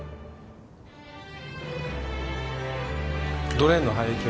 ドレーンの排液は？